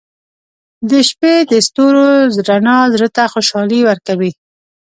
• د شپې د ستورو رڼا زړه ته خوشحالي ورکوي.